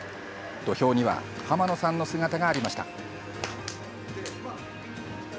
土俵には濱野さんの姿がありました。